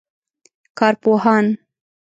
کارپوهان